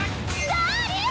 ダーリン！